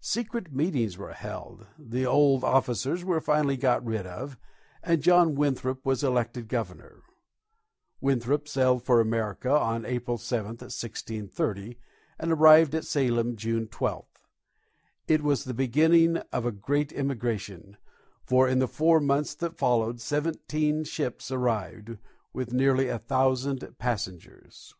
Secret meetings were held, the old officers were finally got rid of, and John Winthrop was elected governor. Winthrop sailed for America on April 7, 1630, and arrived at Salem June 12. It was the beginning of a great emigration, for, in the four months that followed, seventeen ships arrived, with nearly a thousand passengers.